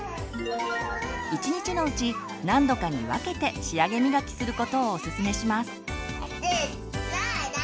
１日のうち何度かに分けて仕上げみがきすることをオススメします。